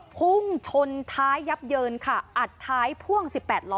พุ่งชนท้ายยับเยินค่ะอัดท้ายพ่วง๑๘ล้อ